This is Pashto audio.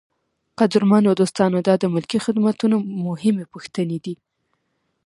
قدرمنو دوستانو دا د ملکي خدمتونو مهمې پوښتنې دي.